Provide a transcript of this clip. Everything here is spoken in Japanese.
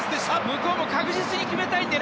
向こうも確実に決めたいので。